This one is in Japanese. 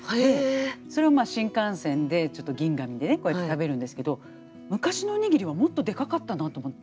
それを新幹線でちょっと銀紙でねこうやって食べるんですけど昔のおにぎりはもっとでかかったなと思って。